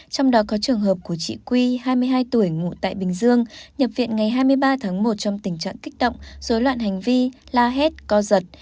trong đó có trường hợp của chị quy hai mươi hai tuổi ngụ tại bình dương nhập viện ngày hai mươi ba tháng một trong tình trạng kích động dối loạn hành vi la hét co giật